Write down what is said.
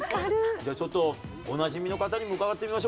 じゃあちょっとおなじみの方にも伺ってみましょうかね。